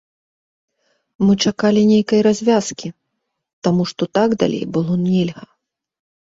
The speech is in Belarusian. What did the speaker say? Мы чакалі нейкай развязкі, таму што так далей было нельга.